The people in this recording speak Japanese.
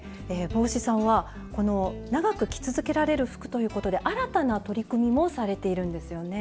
帽子さんはこの「長く着続けられる服」ということで新たな取り組みもされているんですよね。